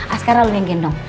askara lo yang gendong